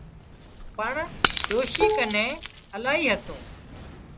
پڻ ڏوشي ڪنين الاهي هتون